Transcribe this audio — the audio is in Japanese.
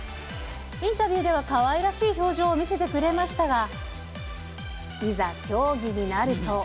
インタビューではかわいらしい表情を見せてくれましたが、いざ、競技になると。